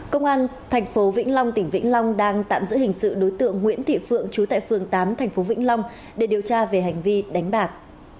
công an thành phố vĩnh long tỉnh vĩnh long đang tạm giữ hình sự đối tượng nguyễn thị phượng chú tại phường tám thành phố vĩnh long để điều tra về hành vi đánh bạc